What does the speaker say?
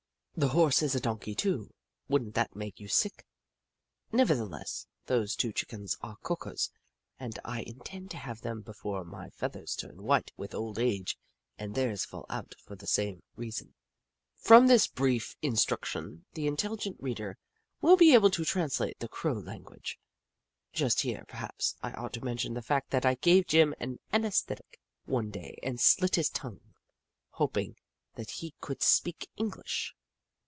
The Horse is a Donkey, too ; would n't that make you sick ? Nevertheless, those two Chickens are corkers and I intend to have them before my feathers turn white with old age and theirs fall out for the same reason." 122 The Book of Clever Beasts From this brief instruction, the intelHgent reader will be able to translate the Crow lan guage. Just here, perhaps, I ought to mention the fact that I gave Jim an anaesthetic one day and slit his tongue, hoping that he could speak English.